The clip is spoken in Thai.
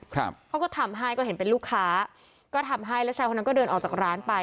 เขาก็ทำให้ก็เห็นเป็นลูกค้าก็ทำให้แล้วชายคนนั้นก็เดินออกจากร้านไป